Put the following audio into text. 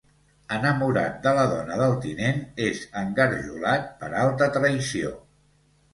Enamorat de la dona del tinent, és engarjolat per alta traïció.